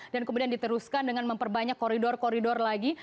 dan kemudian diteruskan dengan memperbanyak koridor koridor lagi